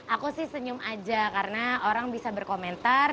aku sih senyum aja karena orang bisa berkomentar